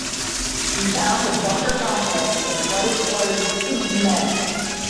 He found the bunker complex a flooded, cluttered, stinking mess.